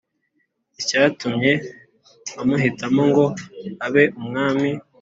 Icyatumye amuhitamo ngo abe umwami